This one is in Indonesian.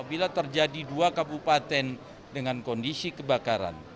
bila terjadi dua kabupaten dengan kondisi kebakaran